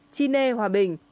chi nê hòa bình